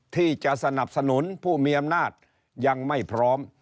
ที่จะสนับสนุนผู้มีอำนาจยังไม่พร้อม